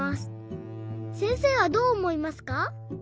せんせいはどうおもいますか？